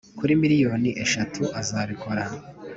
kuri miliyoni eshatu azabikora.